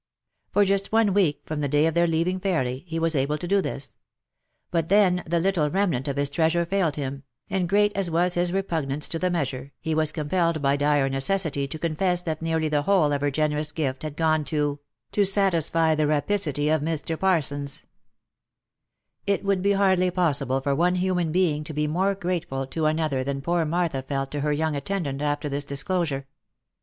For just one week from the day of their leaving Fairly, he was able to do this ; but then the little remnant of his treasure failed him, and great as was his repugnance to the measure, he was compelled by dire necessity to confess that nearly the whole of her generous gift had gone to —" to satisfy the rapacity of Mr. Parsons/' It would be hardly possible for one human being to be more grate ful to another than poor Martha felt to her young attendant after this disclosure.